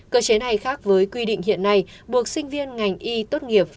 cơ chế này khác với quy định hiện nay buộc sinh viên ngành y tốt nghiệp